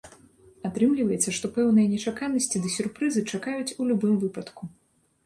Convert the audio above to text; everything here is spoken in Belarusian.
Атрымліваецца, што пэўныя нечаканасці ды сюрпрызы чакаюць у любым выпадку.